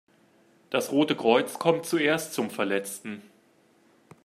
Das Rote Kreuz kommt zuerst zum Verletzten.